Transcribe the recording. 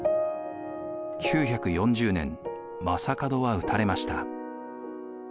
９４０年将門は討たれました。